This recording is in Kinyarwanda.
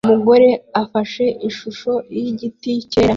Umugore afashe igishusho gito cyera